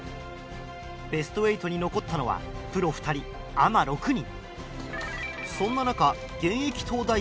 ベスト８に残ったのはプロ２人アマ６人。